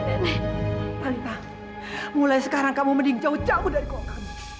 talita mulai sekarang kamu mending jauh jauh dari keluarga